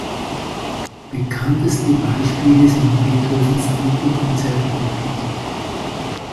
Bekannteste Beispiele sind Beethovens "Tripelkonzert op.